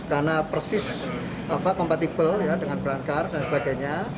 karena persis kompatibel dengan berangkar dan sebagainya